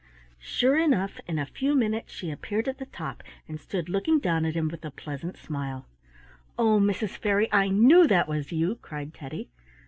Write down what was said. Sure enough in a few minutes she appeared at the top and stood looking down at him with a pleasant smile. "Oh, Mrs. Fairy, I knew that was you!" cried Teddy.